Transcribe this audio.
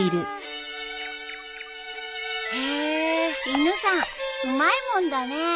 犬さんうまいもんだね。